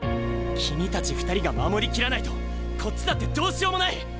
君たち２人が守り切らないとこっちだってどうしようもない！